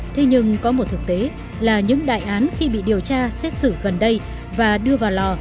thế nhưng có một thực tế là những đại án khi bị điều tra xét xử gần đây và đưa vào lò